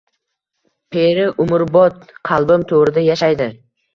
Peru umrbod qalbim to‘rida yashaydi